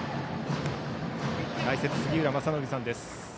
解説、杉浦正則さんです。